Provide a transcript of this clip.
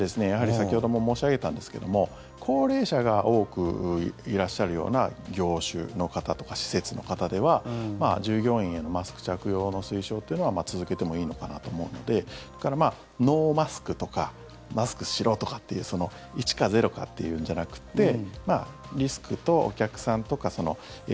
先ほども申し上げたんですけども高齢者が多くいらっしゃるような業種の方とか施設の方では従業員へのマスク着用の推奨というのは続けてもいいのかなと思うのでノーマスクとかマスクしろとかっていう１か０かっていうんじゃなくってリスクとお客さんとか。